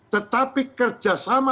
tetapi kerja sama